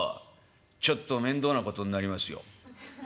ちょっと面倒なことになりますよ」。